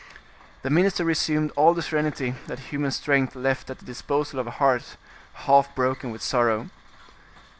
The minister resumed all the serenity that human strength left at the disposal of a heart half broken with sorrow.